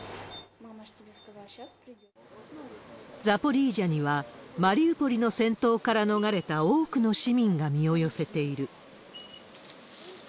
ザポリージャには、マリウポリの戦闘から逃れた多くの市民が身を寄せている。